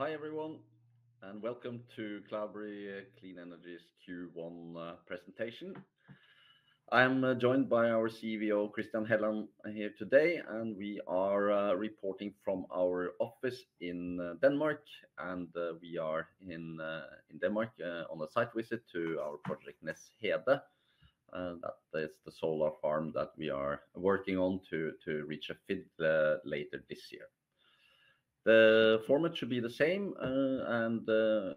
Hi everyone, and welcome to Cloudberry Clean Energy's Q1 Presentation. I am joined by our CFO, Christian Helland, here today, and we are reporting from our office in Denmark, and we are in Denmark on a site visit to our project Nees Hede. That is the solar farm that we are working on to reach a FID later this year. The format should be the same, and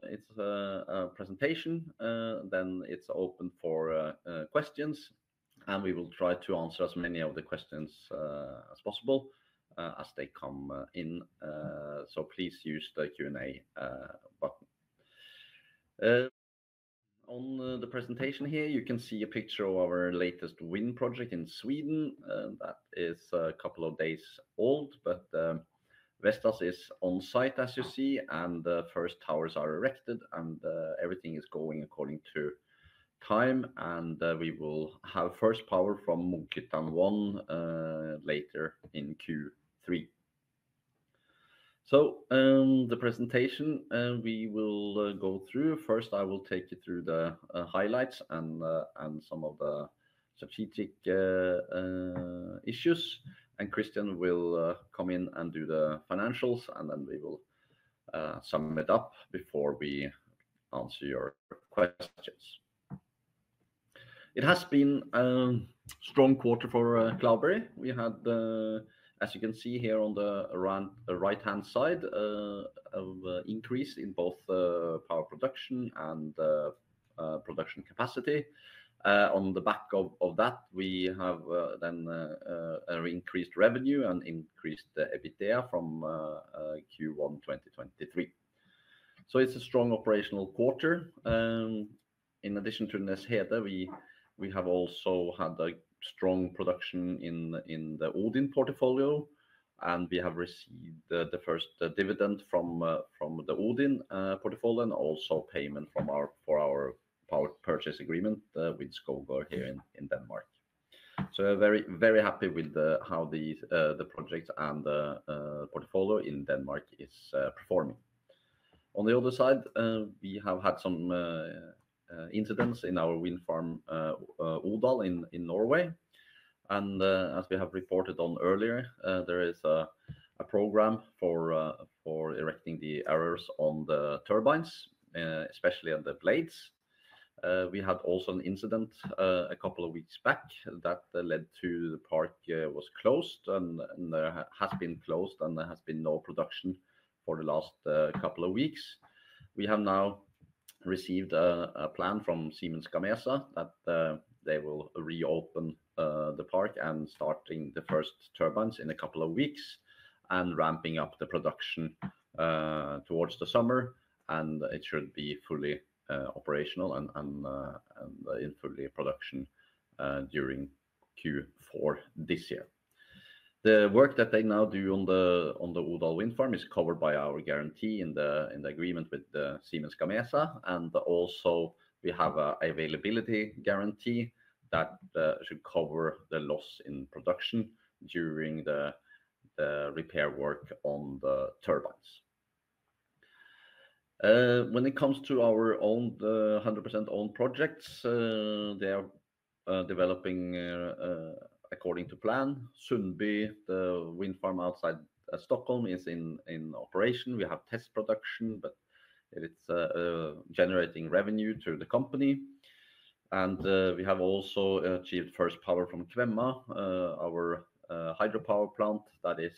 it's a presentation, then it's open for questions, and we will try to answer as many of the questions as possible as they come in, so please use the Q&A button. On the presentation here, you can see a picture of our latest wind project in Sweden. That is a couple of days old, but Vestas is on site, as you see, and the first towers are erected, and everything is going according to time, and we will have first power from Munkhyttan I later in Q3. So, the presentation we will go through. First, I will take you through the highlights and some of the strategic issues, and Christian will come in and do the financials, and then we will sum it up before we answer your questions. It has been a strong quarter for Cloudberry. We had, as you can see here on the right-hand side, an increase in both power production and production capacity. On the back of that, we have then an increased revenue and increased EBITDA from Q1 2023. So it's a strong operational quarter. In addition to Nees Hede, we have also had a strong production in the Odin portfolio, and we have received the first dividend from the Odin portfolio and also payment for our power purchase agreement with Skovgaard here in Denmark. So very, very happy with how the project and the portfolio in Denmark is performing. On the other side, we have had some incidents in our wind farm, Odal, in Norway. And as we have reported on earlier, there is a program for correcting the errors on the turbines, especially on the blades. We had also an incident a couple of weeks back that led to the park was closed and has been closed, and there has been no production for the last couple of weeks. We have now received a plan from Siemens Gamesa that they will reopen the park and start the first turbines in a couple of weeks and ramping up the production towards the summer, and it should be fully operational and in full production during Q4 this year. The work that they now do on the Odal wind farm is covered by our guarantee in the agreement with Siemens Gamesa, and also we have an availability guarantee that should cover the loss in production during the repair work on the turbines. When it comes to our own 100% owned projects, they are developing according to plan. Sundby, the wind farm outside Stockholm, is in operation. We have test production, but it's generating revenue through the company. We have also achieved first power from Øvre Kvemma, our hydropower plant that is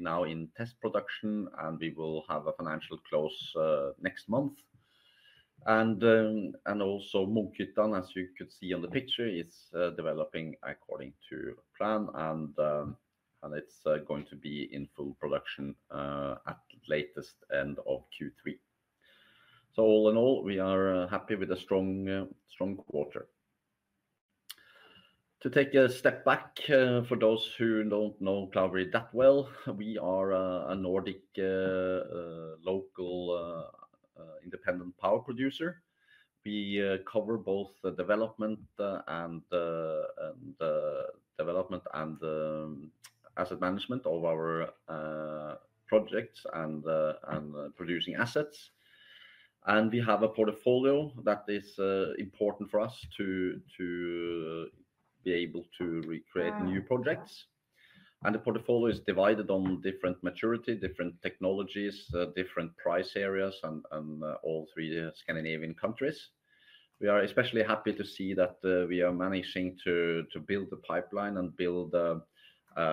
now in test production, and we will have a financial close next month. Also, Munkhyttan, as you could see on the picture, is developing according to plan, and it's going to be in full production at the latest end of Q3. All in all, we are happy with a strong quarter. To take a step back for those who don't know Cloudberry that well, we are a Nordic local independent power producer. We cover both development and asset management of our projects and producing assets. We have a portfolio that is important for us to be able to recreate new projects. The portfolio is divided on different maturity, different technologies, different price areas, and all three Scandinavian countries. We are especially happy to see that we are managing to build the pipeline and build a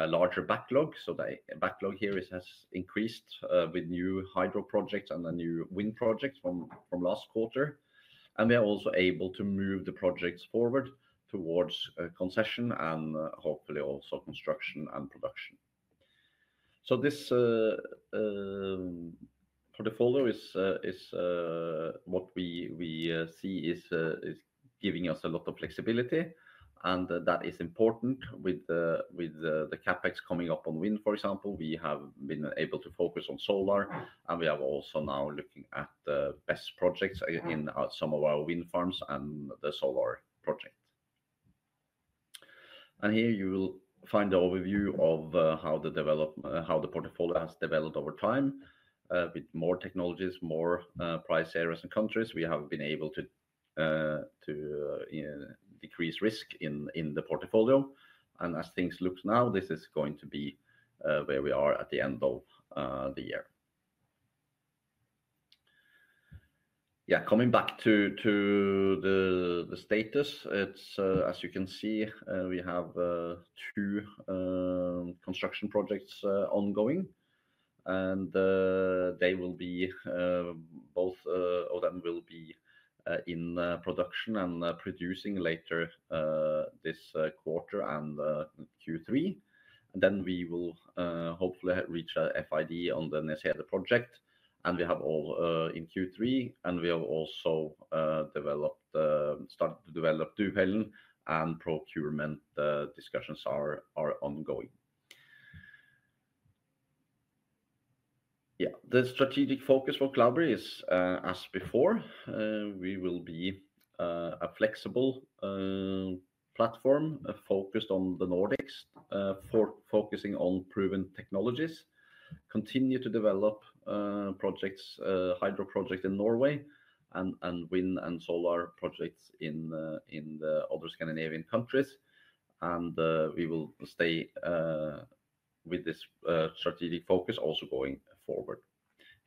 larger backlog. The backlog here has increased with new hydro projects and the new wind projects from last quarter. We are also able to move the projects forward towards concession and hopefully also construction and production. This portfolio is what we see is giving us a lot of flexibility. That is important with the CapEx coming up on wind, for example. We have been able to focus on solar, and we are also now looking at the best projects in some of our wind farms and the solar project. Here you will find the overview of how the portfolio has developed over time with more technologies, more price areas, and countries. We have been able to decrease risk in the portfolio. As things look now, this is going to be where we are at the end of the year. Yeah, coming back to the status, as you can see, we have two construction projects ongoing. They will be both of them will be in production and producing later this quarter and Q3. Then we will hopefully reach FID on the Nees Hede project. We have all in Q3, and we have also started to develop Duvhällen, and procurement discussions are ongoing. Yeah, the strategic focus for Cloudberry is as before. We will be a flexible platform focused on the Nordics, focusing on proven technologies, continue to develop hydro projects in Norway, and wind and solar projects in the other Scandinavian countries. We will stay with this strategic focus also going forward.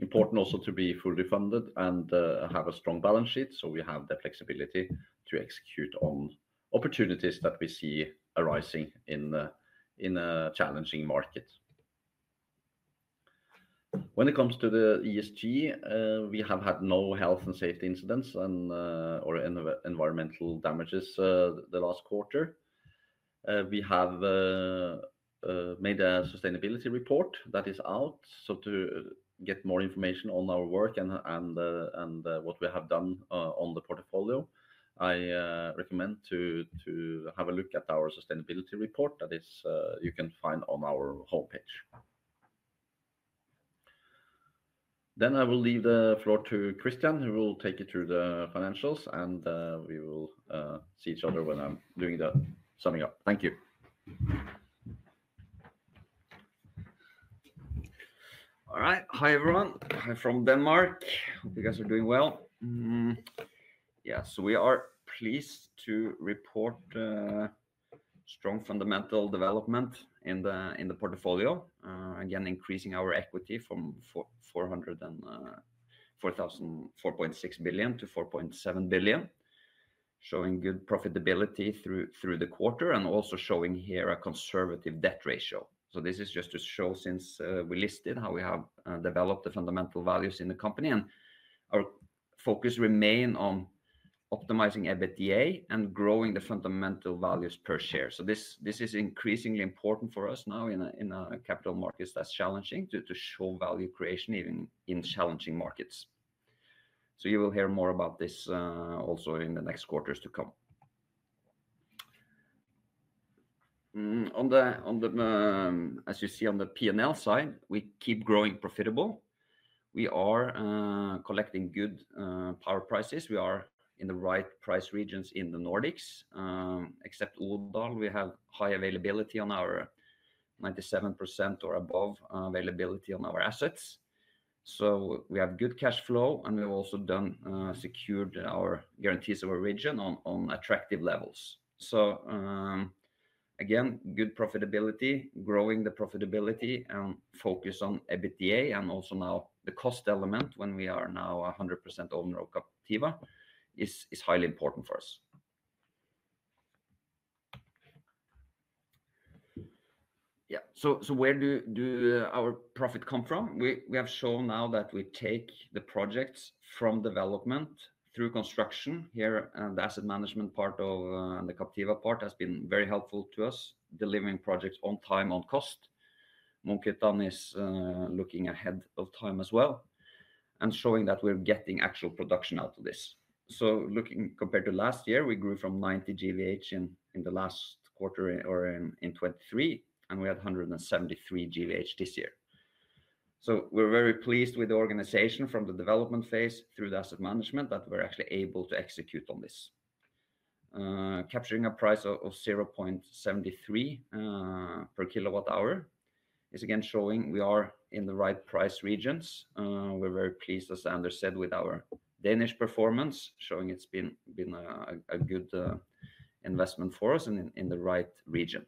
Important also to be fully funded and have a strong balance sheet, so we have the flexibility to execute on opportunities that we see arising in a challenging market. When it comes to the ESG, we have had no health and safety incidents or environmental damages the last quarter. We have made a sustainability report that is out. So to get more information on our work and what we have done on the portfolio, I recommend to have a look at our sustainability report that you can find on our homepage. Then I will leave the floor to Christian, who will take you through the financials, and we will see each other when I'm doing the summing up. Thank you. All right. Hi everyone. Hi from Denmark. Hope you guys are doing well. Yeah, so we are pleased to report strong fundamental development in the portfolio, again, increasing our equity from 4.6 billion to 4.7 billion, showing good profitability through the quarter and also showing here a conservative debt ratio. So this is just to show since we listed how we have developed the fundamental values in the company and our focus remain on optimizing EBITDA and growing the fundamental values per share. So this is increasingly important for us now in a capital market that's challenging to show value creation, even in challenging markets. So you will hear more about this also in the next quarters to come. As you see on the P&L side, we keep growing profitable. We are collecting good power prices. We are in the right price regions in the Nordics. Except Odal, we have high availability on our 97% or above availability on our assets. So we have good cash flow, and we've also secured our Guarantees of Origin on attractive levels. So again, good profitability, growing the profitability, and focus on EBITDA and also now the cost element when we are now 100% owned and operative is highly important for us. Yeah, so where do our profit come from? We have shown now that we take the projects from development through construction. Here, the asset management part and the Captiva part has been very helpful to us, delivering projects on time, on cost. Munkhyttan is looking ahead of time as well and showing that we're getting actual production out of this. So compared to last year, we grew from 90 GWh in the last quarter or in 2023, and we had 173 GWh this year. So we're very pleased with the organization from the development phase through the asset management that we're actually able to execute on this. Capturing a price of 0.73 per kWh is again showing we are in the right price regions. We're very pleased, as Anders said, with our Danish performance, showing it's been a good investment for us and in the right region.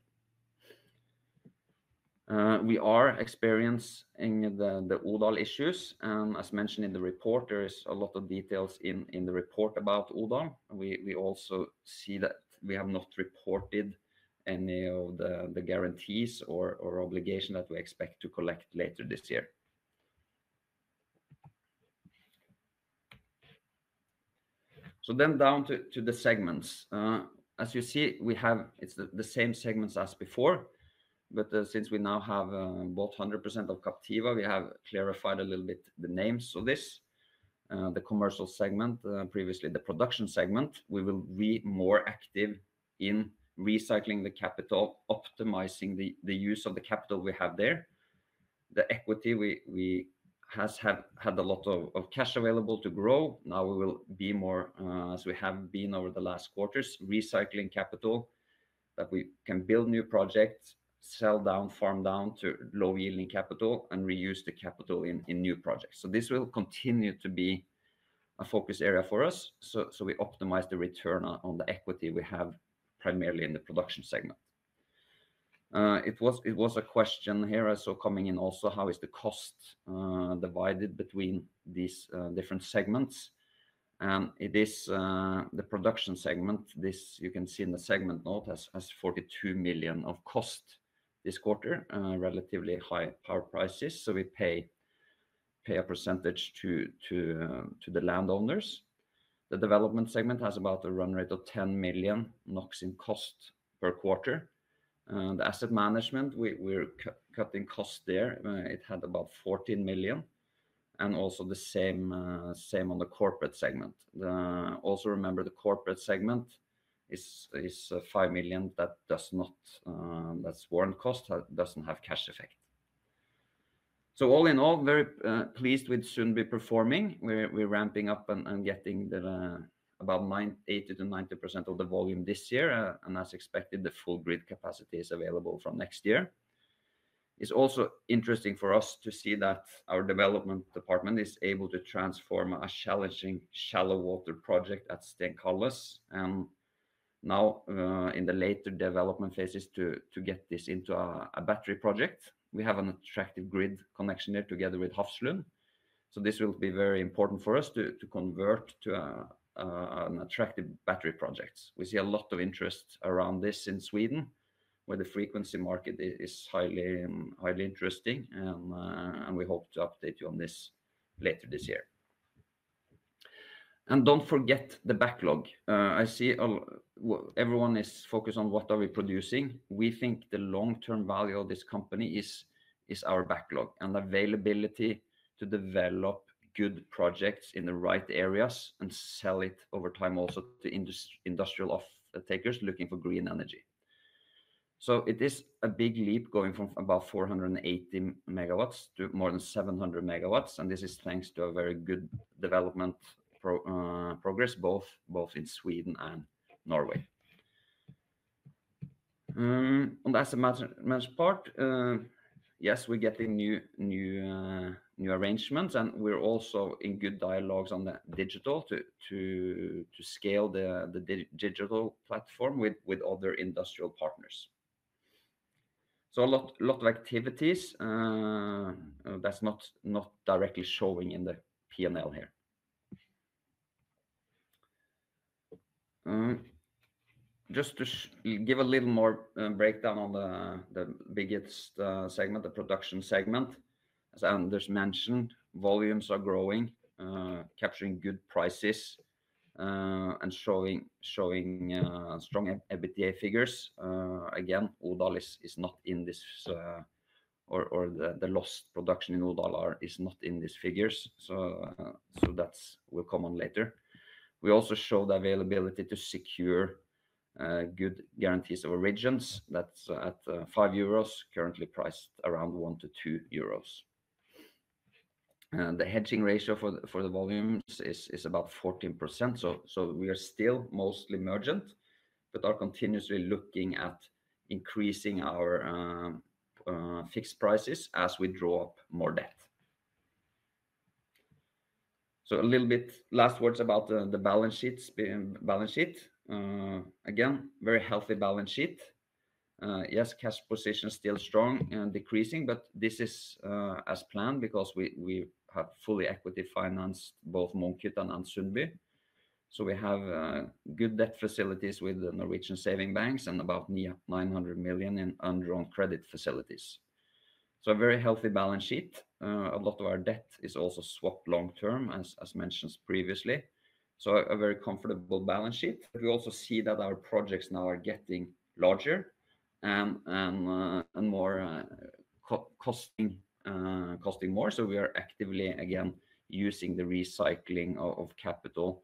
We are experiencing the Odal issues. And as mentioned in the report, there is a lot of details in the report about Odal. We also see that we have not reported any of the guarantees or obligations that we expect to collect later this year. So then down to the segments. As you see, it's the same segments as before. But since we now have both 100% of Captiva, we have clarified a little bit the names of this. The commercial segment, previously the production segment, we will be more active in recycling the capital, optimizing the use of the capital we have there. The equity, we have had a lot of cash available to grow. Now we will be more, as we have been over the last quarters, recycling capital that we can build new projects, sell down, farm down to low-yielding capital, and reuse the capital in new projects. This will continue to be a focus area for us. We optimize the return on the equity we have primarily in the production segment. It was a question here I saw coming in also, how is the cost divided between these different segments? It is the production segment. You can see in the segment note has 42 million of cost this quarter, relatively high power prices. We pay a percentage to the landowners. The development segment has about a run rate of 10 million NOK in cost per quarter. The asset management, we're cutting cost there. It had about 14 million. And also the same on the corporate segment. Also remember, the corporate segment is 5 million that does not that's warrant cost, doesn't have cash effect. So all in all, very pleased with Sundby performing. We're ramping up and getting about 80%-90% of the volume this year. And as expected, the full grid capacity is available from next year. It's also interesting for us to see that our development department is able to transform a challenging shallow water project at Stenkalles. And now in the later development phases to get this into a battery project, we have an attractive grid connection there together with Hafslund. So this will be very important for us to convert to an attractive battery project. We see a lot of interest around this in Sweden, where the frequency market is highly interesting. And we hope to update you on this later this year. And don't forget the backlog. I see everyone is focused on what are we producing. We think the long-term value of this company is our backlog and availability to develop good projects in the right areas and sell it over time also to industrial off-takers looking for green energy. So it is a big leap going from about 480 MW to more than 700 MW. And this is thanks to a very good development progress, both in Sweden and Norway. On the asset management part, yes, we're getting new arrangements. We're also in good dialogues on the digital to scale the digital platform with other industrial partners. So a lot of activities that's not directly showing in the P&L here. Just to give a little more breakdown on the biggest segment, the production segment, as Anders mentioned, volumes are growing, capturing good prices, and showing strong EBITDA figures. Again, Odal is not in this or the lost production in Odal is not in these figures. So that will come on later. We also show the availability to secure good Guarantees of Origin. That's at 5 euros, currently priced around 1-2 euros. The hedging ratio for the volumes is about 14%. So we are still mostly merchant, but are continuously looking at increasing our fixed prices as we draw up more debt. So a little bit last words about the balance sheet. Again, very healthy balance sheet. Yes, cash position is still strong and decreasing, but this is as planned because we have fully equity financed both Munkhyttan and Sundby. So we have good debt facilities with the Norwegian savings banks and about 900 million in undrawn credit facilities. So a very healthy balance sheet. A lot of our debt is also swapped long-term, as mentioned previously. So a very comfortable balance sheet. We also see that our projects now are getting larger and costing more. So we are actively, again, using the recycling of capital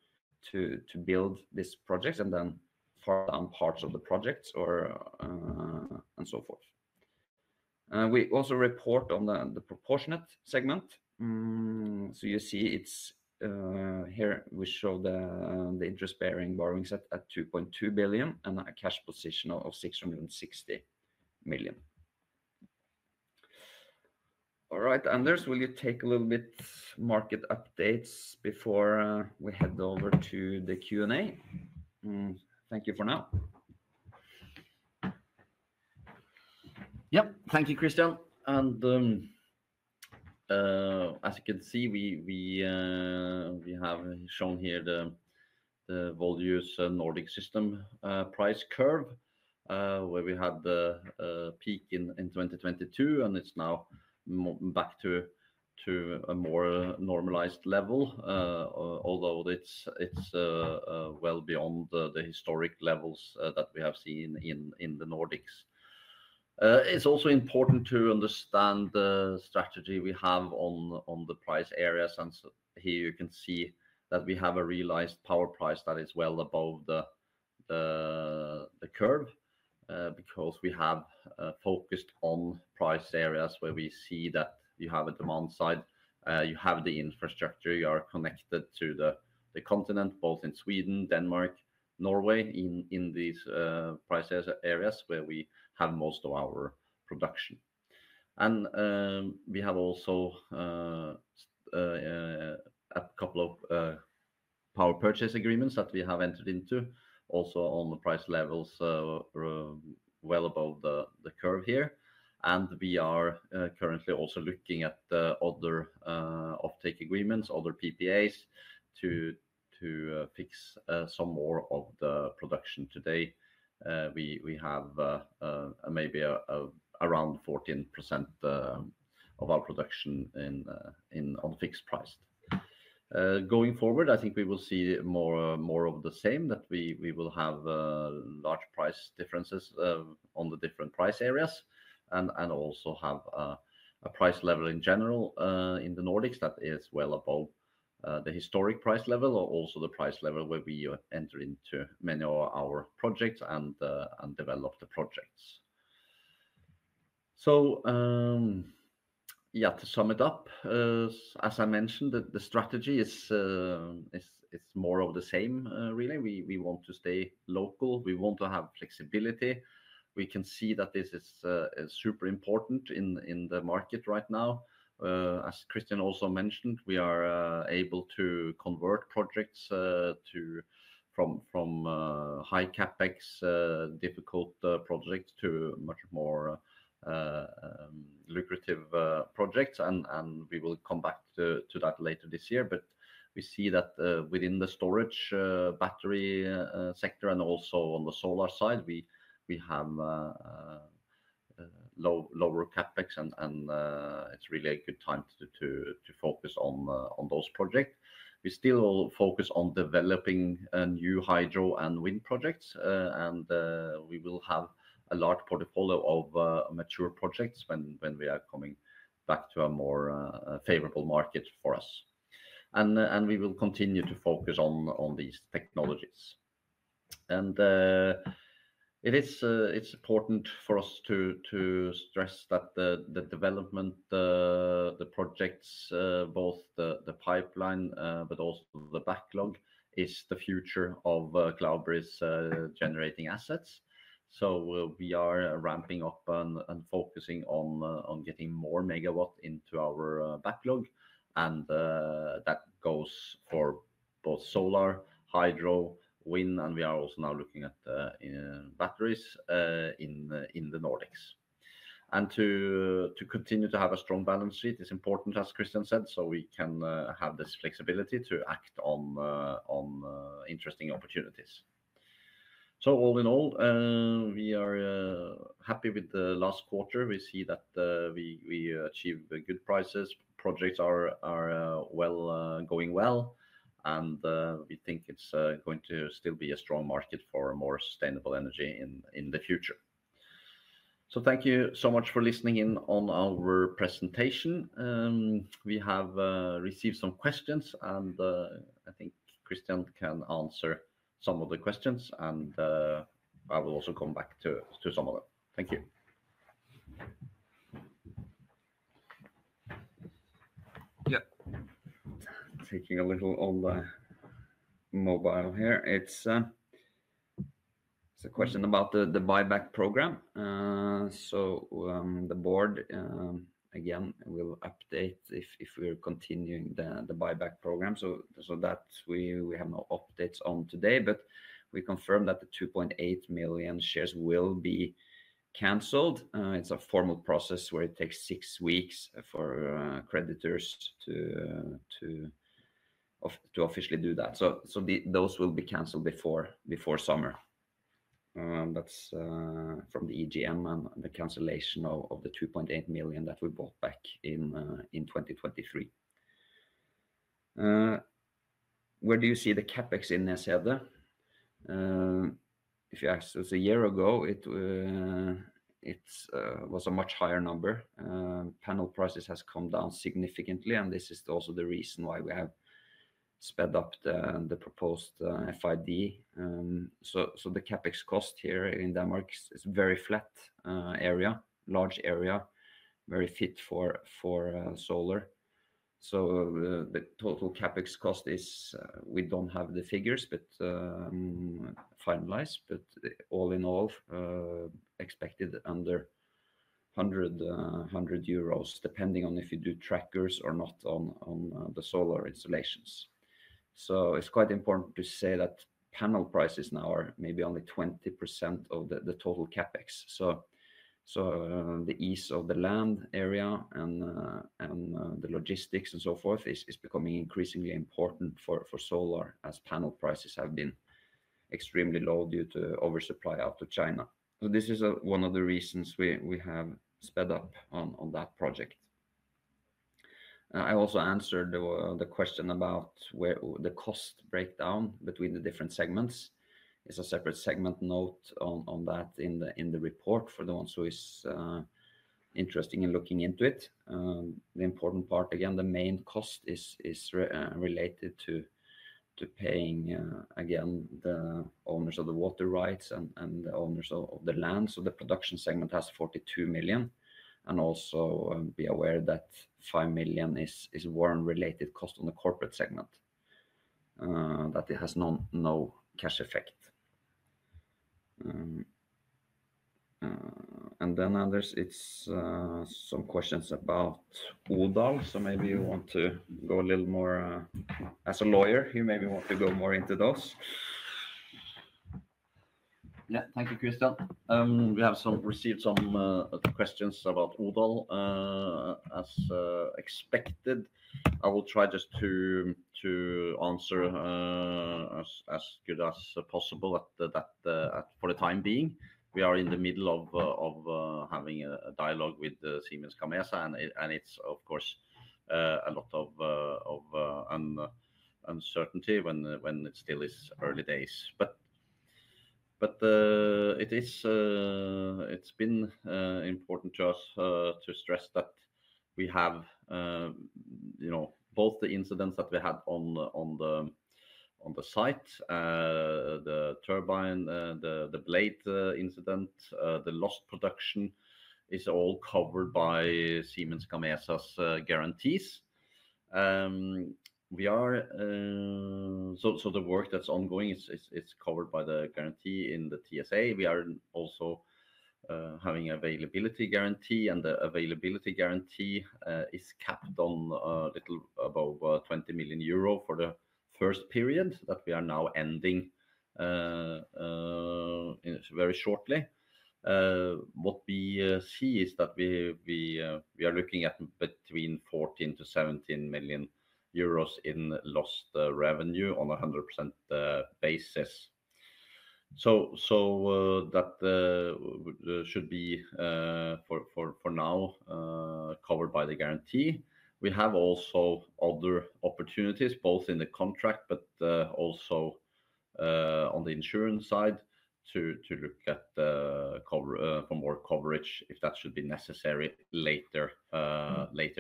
to build these projects and then farm down parts of the projects and so forth. We also report on the proportionate segment. So you see it's here, we show the interest-bearing borrowing net at 2.2 billion and a cash position of 660 million. All right, Anders, will you take a little bit market updates before we head over to the Q&A? Thank you for now. Yep, thank you, Christian. And as you can see, we have shown here the Volue Nordic system price curve, where we had the peak in 2022, and it's now back to a more normalized level, although it's well beyond the historic levels that we have seen in the Nordics. It's also important to understand the strategy we have on the price areas. And here you can see that we have a realized power price that is well above the curve because we have focused on price areas where we see that you have a demand side, you have the infrastructure, you are connected to the continent, both in Sweden, Denmark, Norway, in these price areas where we have most of our production. We have also a couple of power purchase agreements that we have entered into, also on the price levels well above the curve here. We are currently also looking at other offtake agreements, other PPAs, to fix some more of the production today. We have maybe around 14% of our production on fixed price. Going forward, I think we will see more of the same, that we will have large price differences on the different price areas and also have a price level in general in the Nordics that is well above the historic price level or also the price level where we enter into many of our projects and develop the projects. So yeah, to sum it up, as I mentioned, the strategy is more of the same, really. We want to stay local. We want to have flexibility. We can see that this is super important in the market right now. As Christian also mentioned, we are able to convert projects from high CapEx, difficult projects to much more lucrative projects. We will come back to that later this year. But we see that within the storage battery sector and also on the solar side, we have lower CapEx. It's really a good time to focus on those projects. We still will focus on developing new hydro and wind projects. We will have a large portfolio of mature projects when we are coming back to a more favorable market for us. We will continue to focus on these technologies. It is important for us to stress that the development, the projects, both the pipeline, but also the backlog, is the future of Cloudberry's generating assets. So we are ramping up and focusing on getting more megawatt into our backlog. And that goes for both solar, hydro, wind. And we are also now looking at batteries in the Nordics. And to continue to have a strong balance sheet, it's important, as Christian said, so we can have this flexibility to act on interesting opportunities. So all in all, we are happy with the last quarter. We see that we achieve good prices. Projects are going well. And we think it's going to still be a strong market for more sustainable energy in the future. So thank you so much for listening in on our presentation. We have received some questions. And I think Christian can answer some of the questions. And I will also come back to some of them. Thank you. Yeah. Taking a little on the mobile here. It's a question about the buyback program. So the board, again, will update if we're continuing the buyback program. So we have no updates on today. But we confirm that the 2.8 million shares will be canceled. It's a formal process where it takes six weeks for creditors to officially do that. So those will be canceled before summer. That's from the EGM and the cancellation of the 2.8 million that we bought back in 2023. Where do you see the CapEx in, as I said? If you asked us a year ago, it was a much higher number. Panel prices have come down significantly. And this is also the reason why we have sped up the proposed FID. So the CapEx cost here in Denmark is a very flat area, large area, very fit for solar. So the total CapEx cost is we don't have the figures, but finalized. But all in all, expected under 100 euros, depending on if you do trackers or not on the solar installations. So it's quite important to say that panel prices now are maybe only 20% of the total CapEx. So the ease of the land area and the logistics and so forth is becoming increasingly important for solar as panel prices have been extremely low due to oversupply out to China. So this is one of the reasons we have sped up on that project. I also answered the question about the cost breakdown between the different segments. It's a separate segment note on that in the report for the ones who are interested in looking into it. The important part, again, the main cost is related to paying, again, the owners of the water rights and the owners of the land. So the production segment has 42 million. Also be aware that 5 million is warrant-related cost on the corporate segment, that it has no cash effect. Then, Anders, it's some questions about Odal. So maybe you want to go a little more as a lawyer, you maybe want to go more into those. Yeah, thank you, Christian. We have received some questions about Odal. As expected, I will try just to answer as good as possible for the time being. We are in the middle of having a dialogue with Siemens Gamesa. And it's, of course, a lot of uncertainty when it still is early days. But it's been important to us to stress that we have both the incidents that we had on the site, the turbine, the blade incident, the lost production is all covered by Siemens Gamesa's guarantees. So the work that's ongoing is covered by the guarantee in the TSA. We are also having an availability guarantee. The availability guarantee is capped at a little above 20 million euro for the first period that we are now ending very shortly. What we see is that we are looking at between 14-17 million euros in lost revenue on a 100% basis. So that should be for now covered by the guarantee. We have also other opportunities, both in the contract, but also on the insurance side to look at more coverage if that should be necessary later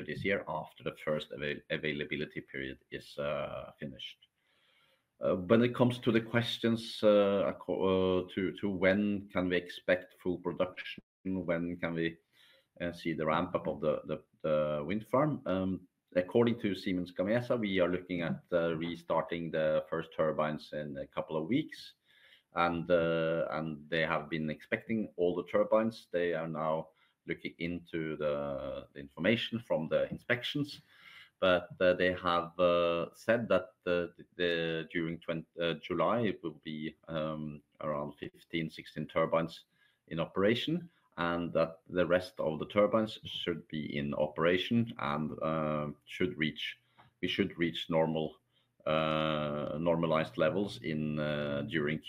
this year after the first availability period is finished. When it comes to the questions to when can we expect full production, when can we see the ramp-up of the wind farm? According to Siemens Gamesa, we are looking at restarting the first turbines in a couple of weeks. And they have been expecting all the turbines. They are now looking into the information from the inspections. But they have said that during July, it will be around 15-16 turbines in operation, and that the rest of the turbines should be in operation and should reach normalized levels during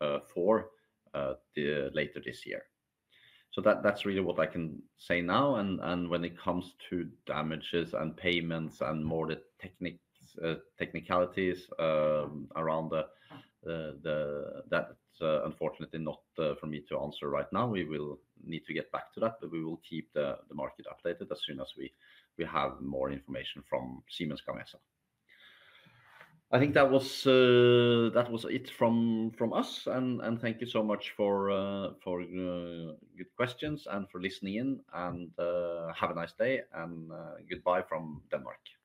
Q4 later this year. So that's really what I can say now. When it comes to damages and payments and more technicalities around that, unfortunately, not for me to answer right now. We will need to get back to that. We will keep the market updated as soon as we have more information from Siemens Gamesa. I think that was it from us. Thank you so much for good questions and for listening in. Have a nice day. Goodbye from Denmark. Thank you.